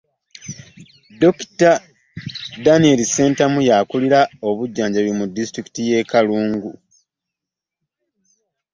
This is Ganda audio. Dokita Daniel Ssentamu, y'akulira eby'obujjanjabi mu disitulikiti y'e Kalungu.